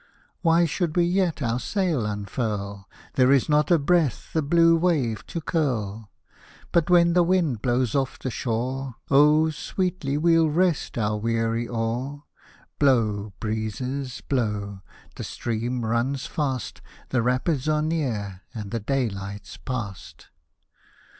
Why should we yet our sail unfurl ? There is not a breath the blue wave to curl ; But, when the wind blows off the shore. Oh I sweetly we'll rest our weary oar. Blow, breezes, blow, the stream runs fast, The Rapids are near and the daylight's past.